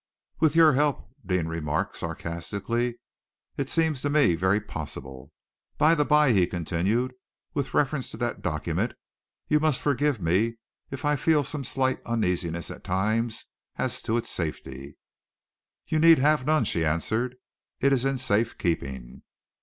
"With your help," Deane remarked sarcastically, "it seems to me very possible. By the bye," he continued, "with reference to that document, you must forgive me if I feel some slight uneasiness at times as to its safety." "You need have none," she answered. "It is in safe keeping."